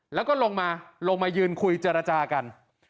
และก็ลงมายืนคุยเจรจากัน